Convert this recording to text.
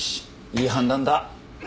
いい判断だ。